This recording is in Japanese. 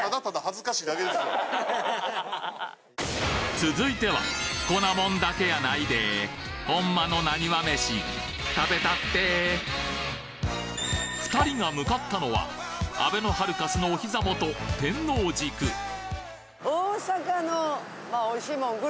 続いては２人が向かったのはあべのハルカスのお膝元おいしいもん。